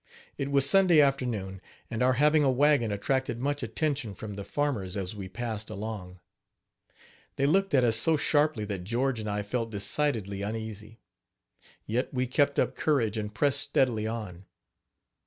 It was Sunday afternoon; and our having a wagon attracted much attention from the farmers as we passed along. They looked at us so sharply that George and I felt decidedly uneasy; yet we kept up courage and pressed steadily on.